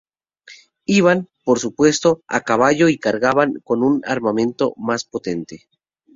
Iban, por supuesto, a caballo y cargaban con un armamento más potente.